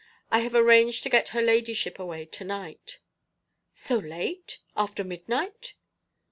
I have arranged to get her ladyship away to night.' 'So late? After midnight?'